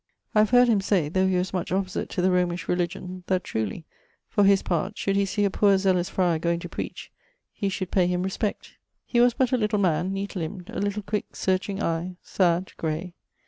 I have heard him say (though he was much opposite to the Romish religion) that truly, for his part, should he see a poor zealous friar goeing to preach, he should pay him respect. He was but a little man, neat limbed, a little quick searching eie, sad, gray.